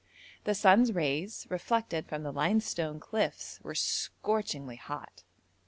The sun's rays, reflected from the limestone cliffs, were scorchingly hot.